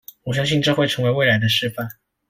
我相信這會成為未來的示範